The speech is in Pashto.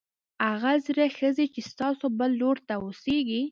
هغه زړه ښځه چې ستاسو بل لور ته اوسېږي